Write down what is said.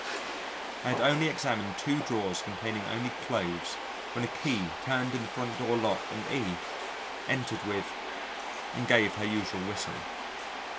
I had only examined two drawers containing only clothes, when a key turned in the front door lock and E entered with and gave her usual whistle.